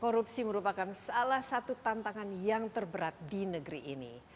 korupsi merupakan salah satu tantangan yang terberat di negeri ini